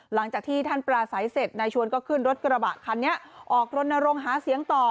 หลังจากที่ท่านปราศัยเสร็จนายชวนก็ขึ้นรถกระบะคันนี้ออกรณรงค์หาเสียงต่อ